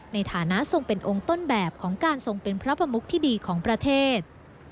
ในฐานะทรงเป็นองค์ต้นแบบของการทรงเป็นพระประมุกที่ดีของประเทศ